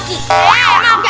kenapa pak kenapa pak